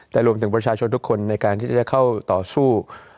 ทุกชาชนทุกคนในการที่จะเข้าต่อสู้